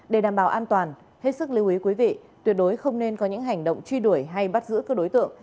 để đảm bảo an toàn hết sức lưu ý quý vị tuyệt đối không nên có những hành động truy đuổi hay bắt giữ các đối tượng